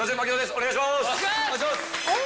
お願いします。